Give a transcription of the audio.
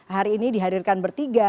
hari ini dihadirkan bertiga